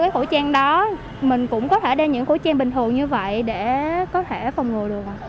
cái khẩu trang đó mình cũng có thể đeo những khẩu trang bình thường như vậy để có thể phòng ngồi được